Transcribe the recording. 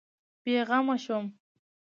بېغمه شوم.